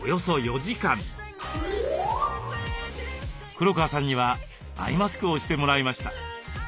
黒川さんにはアイマスクをしてもらいました。